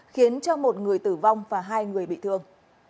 khiến cho một người tử vong và hai người bị thương